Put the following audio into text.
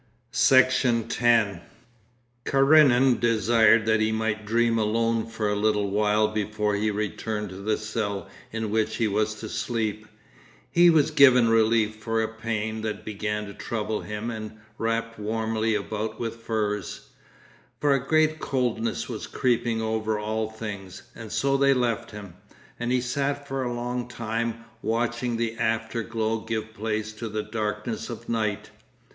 Section 10 Karenin desired that he might dream alone for a little while before he returned to the cell in which he was to sleep. He was given relief for a pain that began to trouble him and wrapped warmly about with furs, for a great coldness was creeping over all things, and so they left him, and he sat for a long time watching the afterglow give place to the darkness of night.